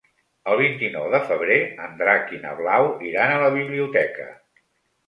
El vint-i-nou de febrer en Drac i na Blau iran a la biblioteca.